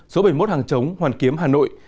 số bảy mươi một hàng chống hoàn kiếm hà nội